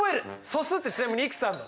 素数ってちなみにいくつあるの？